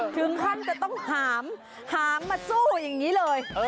ถึงขั้นจะต้องหามหามมาสู้อย่างนี้เลย